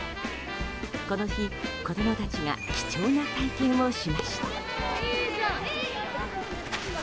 この日、子供たちが貴重な体験をしました。